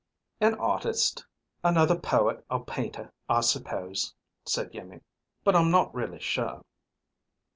"An artist, another poet or painter, I suppose," said Iimmi. "But I'm not really sure."